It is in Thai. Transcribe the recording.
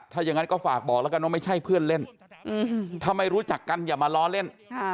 ถ้าอย่างนั้นก็ฝากบอกแล้วกันว่าไม่ใช่เพื่อนเล่นถ้าไม่รู้จักกันอย่ามาล้อเล่น